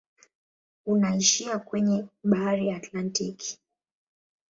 Unaishia kwenye bahari ya Atlantiki.